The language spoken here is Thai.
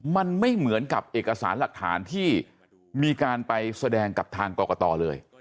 มันไม่เหมือนกับเอกสารหลักฐานที่มีการไปแสดงกับทางกรกตเลย